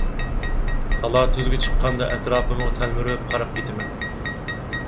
تالا-تۈزگە چىققاندا ئەتراپىمغا تەلمۈرۈپ قاراپ كېتىمەن.